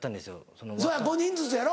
そうや５人ずつやろ？